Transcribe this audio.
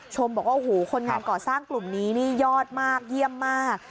บอกว่าโอ้โหคนงานก่อสร้างกลุ่มนี้นี่ยอดมากเยี่ยมมาก